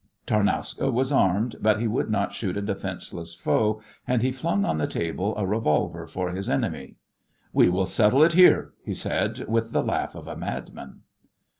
Tarnowska was armed, but he would not shoot a defenceless foe, and he flung on the table a revolver for his enemy. "We will settle it here," he said, with the laugh of a madman.